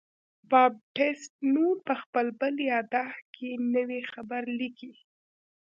بابټیست نون په خپل بل یادښت کې نوی خبر لیکي.